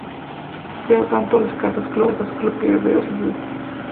Clow crea tanto a las cartas Clow, como a Kerberos y Yue.